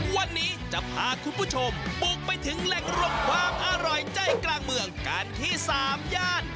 วันนี้จะพาคุณผู้ชมบุกไปถึงแหล่งรวมความอร่อยใจกลางเมืองกันที่๓ย่าน